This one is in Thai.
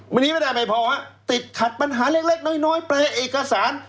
วันนี้ไม่ได้ไม่พอฮะติดขัดปัญหาเล็กน้อยแปลเอกสาร